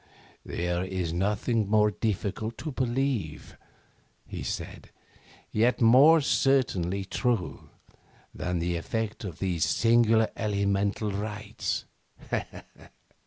'There is nothing more difficult to believe,' he said, 'yet more certainly true, than the effect of these singular elemental rites.